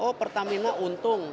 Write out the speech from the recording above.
oh pertamina untung